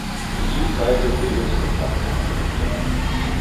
Die Südseite bildete der Platz Am Hof.